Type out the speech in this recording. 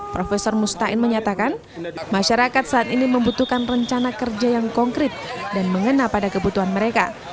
prof mustain menyatakan masyarakat saat ini membutuhkan rencana kerja yang konkret dan mengena pada kebutuhan mereka